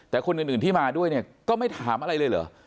แต่คนอื่นที่มาด้วยเนี่ยก็ไม่ถามอะไรเลยเหรอ